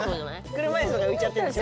車いすとか浮いちゃってんでしょ？